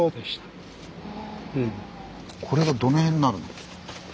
これがどの辺になるんですか？